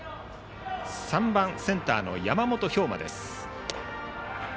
３番センターの山本彪真。